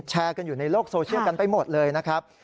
แชร์กันอยู่ในโลกโซเชียลกันไปหมดเลยนะครับ